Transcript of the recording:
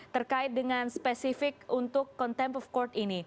terkait dengan spesifik untuk contempt of court ini